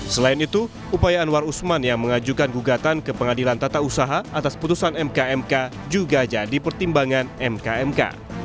selain itu upaya anwar usman yang mengajukan gugatan ke pengadilan tata usaha atas putusan mk mk juga jadi pertimbangan mkmk